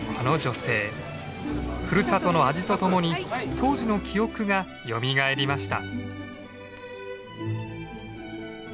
ふるさとの味とともに当時の記憶がよみがえりました。